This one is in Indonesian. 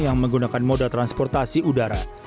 yang menggunakan moda transportasi udara